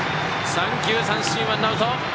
三球三振、ワンアウト。